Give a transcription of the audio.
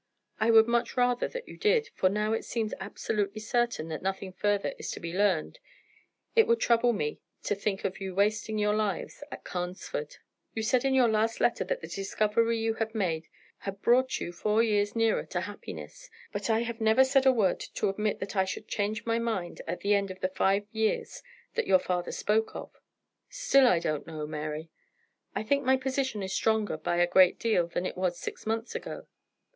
I would much rather that you did, for now it seems absolutely certain that nothing further is to be learned, it would trouble me to think of you wasting your lives at Carnesford. "You said in your last letter that the discovery you had made had brought you four years nearer to happiness, but I have never said a word to admit that I should change my mind at the end of the five years that your father spoke of. Still, I don't know, Mary. I think my position is stronger by a great deal than it was six months ago.